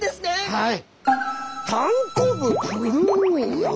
はい。